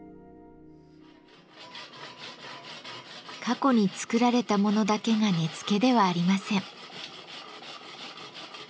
過去に作られたものだけが根付ではありません。